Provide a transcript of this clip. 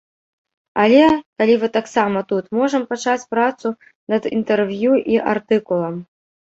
Але, калі вы таксама тут, можам пачаць працу над інтэрв'ю і артыкулам.